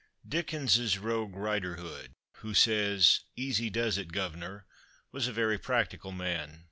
Dickens's Rogue Riderhood, who says "Easy does it, guvner," was a very practical man.